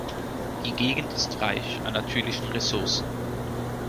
Die Gegend ist reich an natürlichen Ressourcen.